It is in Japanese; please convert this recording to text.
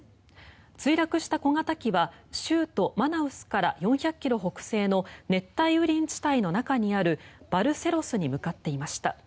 墜落した小型機は州都マナウスから４００ｋｍ北西の熱帯雨林地帯の中にあるバルセロスに向かっていました。